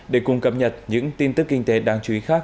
để cùng cập nhật những tin tức kinh tế đáng chú ý khác